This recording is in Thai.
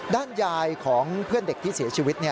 ด้านยายของเพื่อนเด็กที่เสียชีวิต